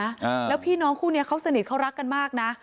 อ่าแล้วพี่น้องคู่เนี้ยเขาสนิทเขารักกันมากนะ